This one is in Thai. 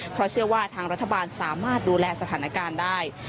เพราะเชื่อว่าทางรัฐบาลสามารถดูแลสถานการณ์ได้